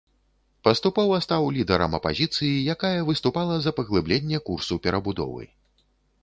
Паступова стаў лідарам апазіцыі, якая выступала за паглыбленне курсу перабудовы.